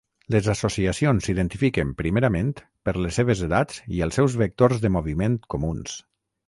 Les associacions s'identifiquen primerament per les seves edats i els seus vectors de moviment comuns.